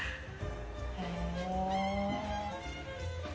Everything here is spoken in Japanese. へえ。